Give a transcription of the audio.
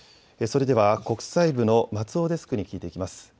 それでは国際部の松尾デスクに聞いていきます。